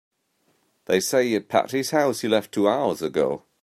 They say at Patti's house he left two hours ago.